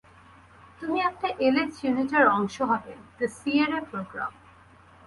তুমি একটা এলিট ইউনিটের অংশ হবে, দ্য সিয়েরা প্রোগ্রাম।